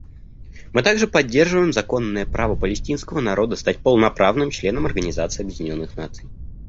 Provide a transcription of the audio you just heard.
Мы также поддерживаем законное право палестинского народа стать полноправным членом Организации Объединенных Наций.